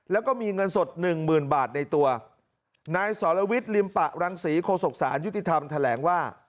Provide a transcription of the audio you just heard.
แล้วก็มีเงินสดหนึ่งหมื่นบาทในตัวนายสรวิทย์ลิมปะรังศรีโฆษกศาลยุติธรรมแถลงว่า